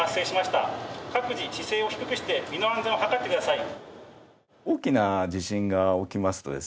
各自姿勢を低くして身の安全を図ってください。